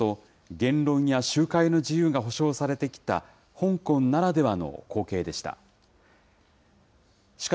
言論や集会の自由が保障されてきた香港ならではの光景でした。